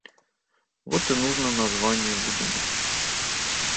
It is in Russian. Вот и нужно название выдумать.